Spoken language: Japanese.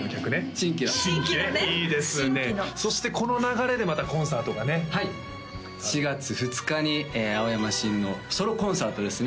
新規のそしてこの流れでまたコンサートがねはい４月２日に青山新のソロコンサートですね